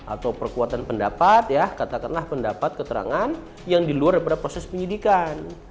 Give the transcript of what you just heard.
atau perkuatan pendapat ya katakanlah pendapat keterangan yang di luar daripada proses penyidikan